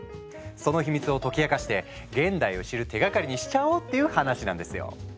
その秘密を解き明かして現代を知る手がかりにしちゃおうっていう話なんですよ。